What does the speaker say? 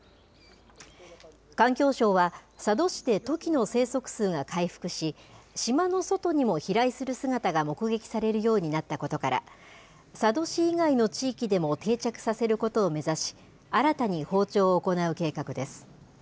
環境省は、佐渡市でトキの生息数が回復し、島の外にも飛来する姿が目撃されるようになったことから、佐渡市以外の地域でも定着させることを目指し、新たに放鳥を行う計画です。